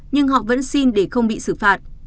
nhưng họ vẫn xin để không bị xử phạt